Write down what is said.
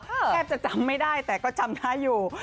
แทบจะจำไม่ได้แต่ก็จำได้อยู่